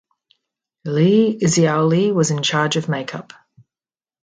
Li Xiaoli was in charge of makeup.